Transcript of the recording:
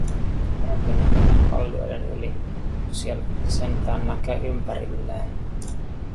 Parempi mennä kallioiden yli, ku siel sentää näkee ympärillee."